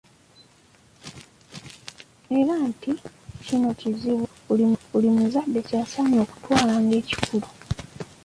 Era nti kino kizibu buli muzadde ky’asaanye okutwala ng’ekikulu.